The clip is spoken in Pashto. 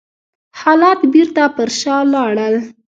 حالات بېرته پر شا لاړل.